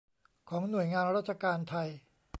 ของหน่วยงานราชการไทย